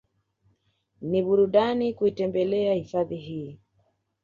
Ni burudani kuitembelea hifadhi hii